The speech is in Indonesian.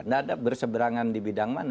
tidak ada berseberangan di bidang mana